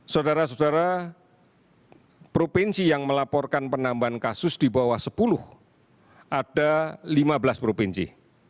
saudara saudara provinsi yang melaporkan penambahan kasus di bawah sepuluh ada lima belas provinsi